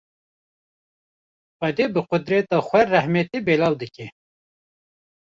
Xwedê bi qudreta xwe rahmetê belav dike.